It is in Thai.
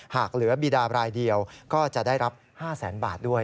หากเหลือบีดาบรายเดียวก็จะได้รับ๕แสนบาทด้วย